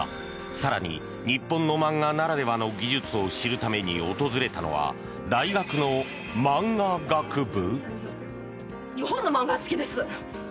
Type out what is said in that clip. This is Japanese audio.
更に、日本の漫画ならではの技術を知るために訪れたのは大学のマンガ学部？